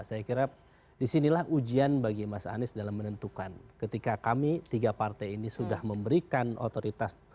saya kira disinilah ujian bagi mas anies dalam menentukan ketika kami tiga partai ini sudah memberikan otoritas